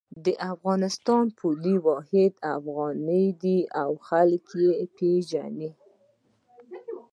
د افغانستان پولي واحد افغانۍ ده او خلک یی پیژني